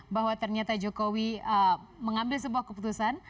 bahwa ternyata jokowi mengambil sebuah keputusan